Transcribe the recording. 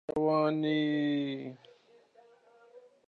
In German, all relative clauses are marked with commas.